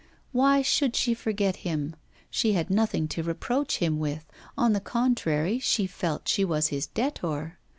Why should she forget him? She had nothing to reproach him with; on the contrary, she felt she was his debtor.